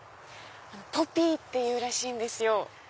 ポピーっていうらしいんですよ。